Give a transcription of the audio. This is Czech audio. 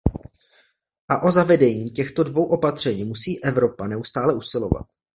A o zavedení těchto dvou opatření musí Evropa neustále usilovat.